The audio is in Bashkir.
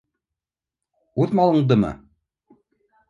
Үҙ малыңдымы?